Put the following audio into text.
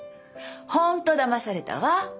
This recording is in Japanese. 本当だまされたわ。